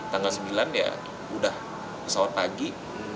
tanggal sembilan ya udah pesawat pagi